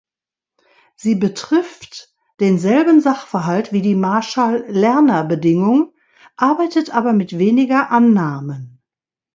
Sie betrifft denselben Sachverhalt wie die Marshall-Lerner-Bedingung, arbeitet aber mit weniger Annahmen.